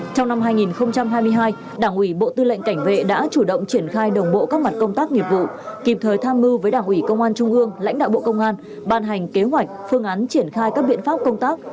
trong năm hai nghìn hai mươi hai đảng ủy bộ tư lệnh cảnh vệ đã chủ động triển khai đồng bộ các mặt công tác nghiệp vụ kịp thời tham mưu với đảng ủy công an trung ương lãnh đạo bộ công an ban hành kế hoạch phương án triển khai các biện pháp công tác